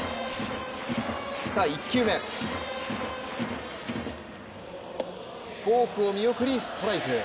さあ１球目、フォークを見送りストライク。